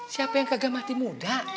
siapa yang kagak mati muda